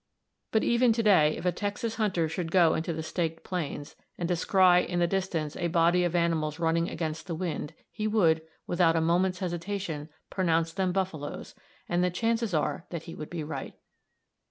But even to day, if a Texas hunter should go into the Staked Plains, and descry in the distance a body of animals running against the wind, he would, without a moment's hesitation, pronounce them buffaloes, and the chances are that he would be right.